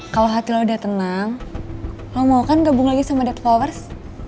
kalau hati lo udah tenang lo mau kan gabung lagi sama developers